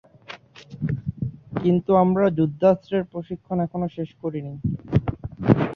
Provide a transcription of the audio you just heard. কিন্তু আমরা যুদ্ধাস্ত্রের প্রশিক্ষণ এখনও শেষ করিনি।